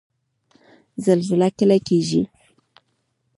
زلزله کله کیږي؟